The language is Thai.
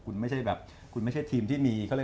คุณไม่ใช่ทีมที่มี